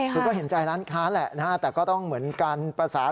คือก็เห็นใจร้านค้าแหละนะฮะแต่ก็ต้องเหมือนการประสาน